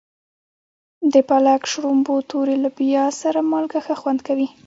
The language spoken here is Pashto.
د پالک، شړومبو، تورې لوبیا سره مالګه ښه خوند ورکوي.